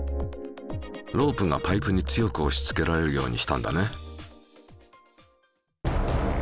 ロープがパイプに強くおしつけられるようにしたんだね。